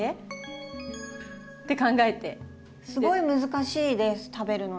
すごい難しいです食べるの。